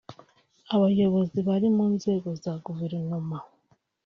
’Abayobozi bari mu nzego za guverinoma